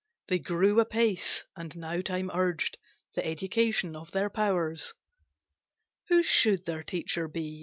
They grew apace, and now Time urged The education of their powers. Who should their teacher be?